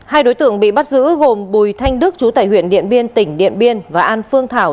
hai đối tượng bị bắt giữ gồm bùi thanh đức chú tải huyện điện biên tỉnh điện biên và an phương thảo